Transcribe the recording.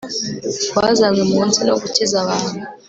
wazanywe mu nsi no gukiza abantu